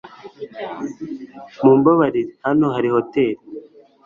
Mumbabarire, hano hari hoteri?